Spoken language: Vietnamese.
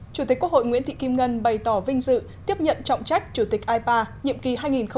chủ tịch quốc hội nguyễn thị kim ngân bày tỏ vinh dự tiếp nhận trọng trách chủ tịch ipa nhiệm kỳ hai nghìn hai mươi hai nghìn hai mươi